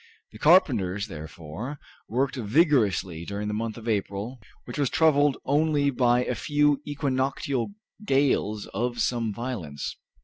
The carpenters, therefore, worked vigorously during the month of April, which was troubled only by a few equinoctial gales of some violence.